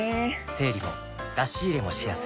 整理も出し入れもしやすい